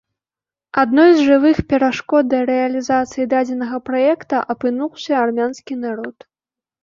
Адной з жывых перашкод да рэалізацыі дадзенага праекта апынуўся армянскі народ.